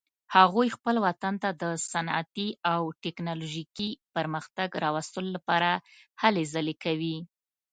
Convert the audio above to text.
هغوی خپل وطن ته د صنعتي او تکنالوژیکي پرمختګ راوستلو لپاره هلې ځلې کوي